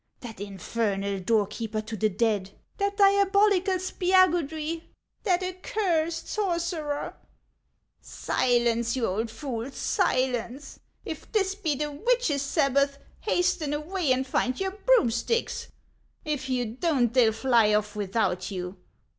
l — That infernal doorkeeper to the dead !— That diabolical Spiagudry !— That accursed sorcerer !"" Silence, you old fools, silence ! If this be the witches' Sabbath, hasten away and find your broomsticks ; if you don't, they'll fly off without you.